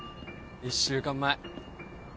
１週間前。